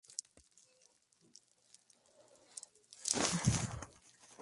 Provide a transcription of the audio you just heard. No es un proceso tan versátil como puede ser la soldadura por fricción-agitación.